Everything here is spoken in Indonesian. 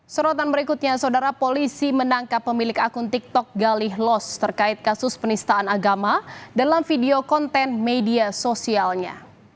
sorotan berikutnya saudara polisi menangkap pemilik akun tiktok galih los terkait kasus penistaan agama dalam video konten media sosialnya